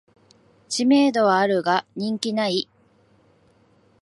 知名度はあるが人気ない